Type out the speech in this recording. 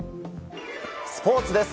スポーツです。